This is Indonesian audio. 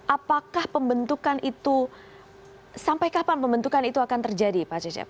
apakah pembentukan itu sampai kapan pembentukan itu akan terjadi pak cecep